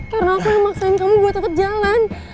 karena aku yang memaksain kamu buat aku jalan